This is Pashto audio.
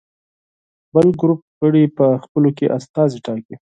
بل ګروپ غړي په خپلو کې استازي ټاکي.